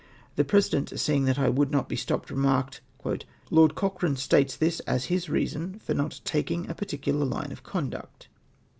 The President — seeing that I woidd not be stopped — remarked —" Lord Cochrane states this as his reason for not taking a 2?articidar line of conduct.'